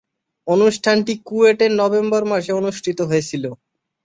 অনুষ্ঠানটি কুয়েটে নভেম্বর মাসে অনুষ্ঠিত হয়েছিলো।